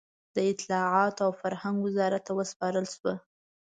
د اطلاعاتو او فرهنګ وزارت ته وسپارل شوه.